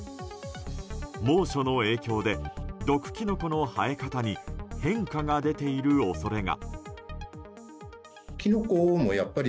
猛暑の影響で毒キノコの生え方に変化が出ている恐れが。